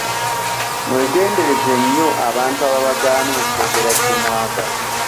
Mwegendereze nnyo abantu ababagaana okwogera kye mwagala.